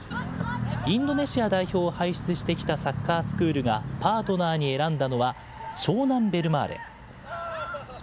インドネシア代表を輩出してきたサッカースクールがパートナーに選んだのは、湘南ベルマーレ。